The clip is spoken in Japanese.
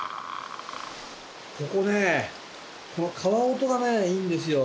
ここねこの川音がねいいんですよ。